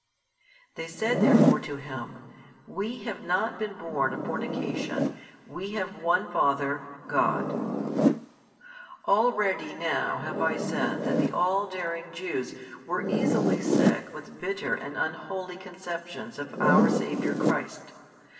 They said therefore to Him, We have not been born of fornication, we have one Father, God. Already now have I said that the all daring Jews were easily sick with bitter and unholy conceptions of our Saviour Christ.